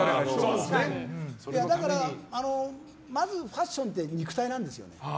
だから、まずファッションって肉体なんですよ。